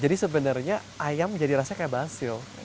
jadi sebenarnya ayam jadi rasanya kayak basil